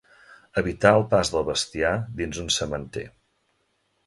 Evitar el pas del bestiar dins un sementer.